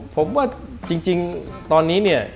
ผมว่าจริงตอนนี้เนี่ย